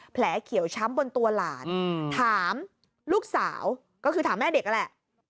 แผลเขียวช้ำบนตัวหลานถามลูกสาวก็คือถามแม่เด็กนั่นแหละ